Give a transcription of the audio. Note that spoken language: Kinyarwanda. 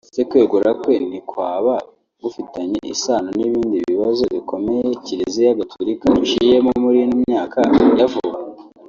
-Ese kwegura kwe ntikwaba gufitanye isano n’ibindi bibazo bikomeye Kiliziya Gaturika yaciyemo muri ino myaka ya vuba